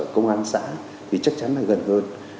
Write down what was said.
công an xã thì chắc chắn là gần hơn